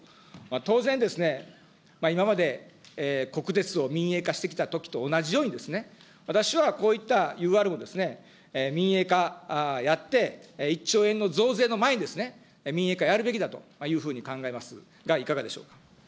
当然、今まで国鉄を民営化してきたときと同じようにですね、私はこういったＵＲも民営化やって、１兆円の増税の前にですね、民営化やるべきだというふうに考えますが、いかがでしょうか。